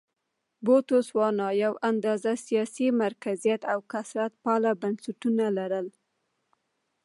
بوتسوانا یو اندازه سیاسي مرکزیت او کثرت پاله بنسټونه لرل.